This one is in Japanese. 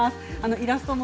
イラストも。